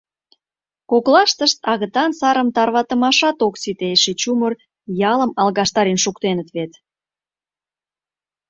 Коклаштышт агытан сарым тарватымышт ок сите, эше чумыр ялым алгаштарен шуктеныт вет.